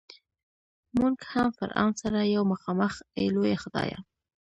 مونږ هم فرعون سره یو مخامخ ای لویه خدایه.